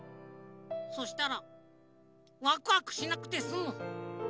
そしたらわくわくしなくてすむ。